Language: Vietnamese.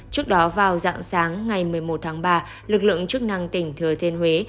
trước đó vào dạng sáng ngày một mươi một tháng ba lực lượng chức năng tỉnh thừa thiên huế